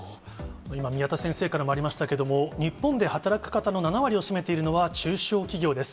今、宮田先生からもありましたけれども、日本で働く方の７割を占めているのは中小企業です。